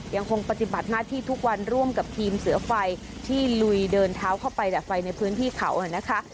ยังคงปฏิบัติหน้าที่ทุกวันร่วมกับทีมเสือไฟที่ลุยเดินเท้าเข้าไปดับไฟในพื้นที่เขานะคะ